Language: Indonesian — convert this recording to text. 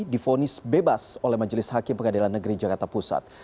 difonis bebas oleh majelis hakim pengadilan negeri jakarta pusat